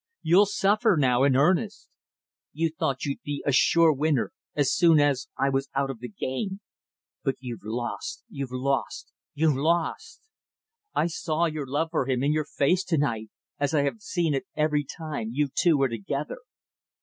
You'll suffer now in earnest. You thought you'd be a sure winner as soon as I was out of the game. But you've lost you've lost you've lost! I saw your love for him in your face to night as I have seen it every time you two were together.